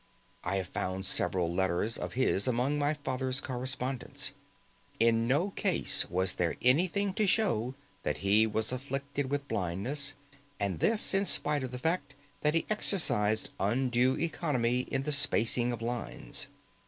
I have found several letters of his among my father's correspondence. In no case was there anything to show that he was afflicted with blindness and this in spite of the fact that he exercised undue economy in the spacing of lines.